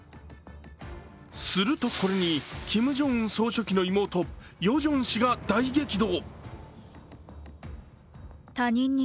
すると、これにキム・ジョンウン総書記の妹・ヨジョン氏が大激怒。